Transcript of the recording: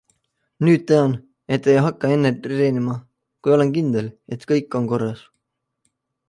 Nüüd tean, et ei hakka enne treenima, kui olen kindel, et kõik on korras.